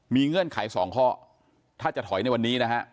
มีเงื่อนไขสองข้อถ้าจะถอยในวันนี้นะฮะ